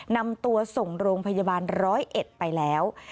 นำตัวส่งโรงพยาบาลร้อยเอ็ดไปแล้ว